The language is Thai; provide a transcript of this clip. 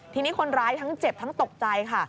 ทีนี้คนร้ายทั้งเจ็บทั้งตกใจค่ะ